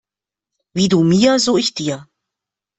Wie du mir, so ich dir.